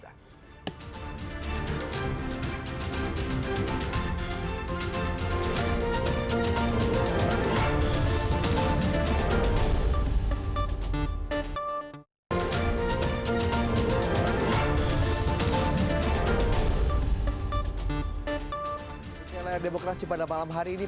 demokrasi pada malam hari ini pastikan anda mengikuti perkembangan